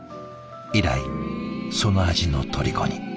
以来その味のとりこに。